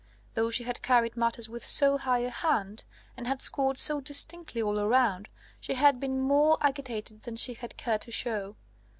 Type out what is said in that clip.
Though she had carried matters with so high a hand, and had scored so distinctly all around, she had been more agitated than she had cared to show.